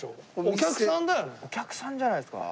お客さんじゃないですか？